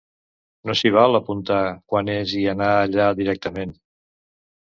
No s'hi val apuntar quan és i anar allà directament.